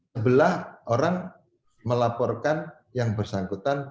sebelah orang melaporkan yang bersangkutan